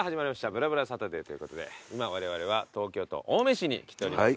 『ぶらぶらサタデー』ということで今われわれは東京都青梅市に来ております。